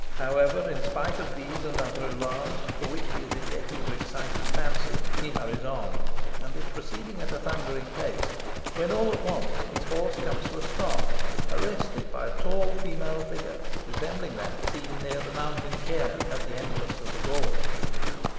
However, in spite of these and other alarms, for which he is indebted to excited fancy, he hurries on, and is proceeding at a thundering pace, when all at once his horse comes to a stop, arrested by a tall female figure, resembling that seen near the mountain cairn at the entrance of the gorge.